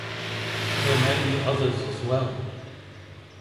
There may be others as well.